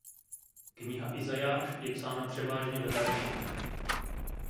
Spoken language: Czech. Kniha Izajáš je psána převážně ve verších.